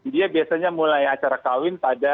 dia biasanya mulai acara kawinan